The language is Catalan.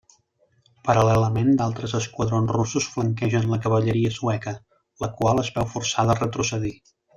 Paral·lelament d'altres esquadrons russos flanquegen la cavalleria sueca, la qual es veu forçada a retrocedir.